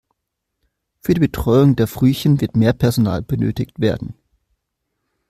Für die Betreuung der Frühchen wird mehr Personal benötigt werden.